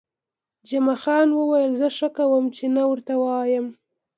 جمعه خان وویل: زه ښه کوم، چې نه ورته وایم.